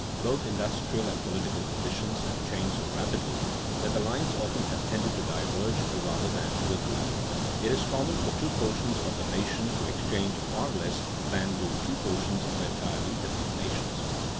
Both industrial and political conditions have changed so rapidly that the lines often have tended to diverge rather than to agree. It is common for two portions of a nation to exchange far less than do two portions of entirely different nations.